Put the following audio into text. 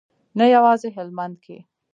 نه یوازې هلمند کې.